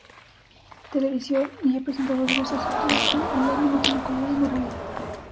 Televisión, y ha presentado diversos títulos como: El alma no tiene color y Morelia.